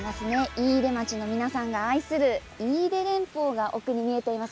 飯豊町の皆さんが愛する飯豊連峰が奥に見えています。